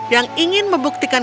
yang ingin membuktikan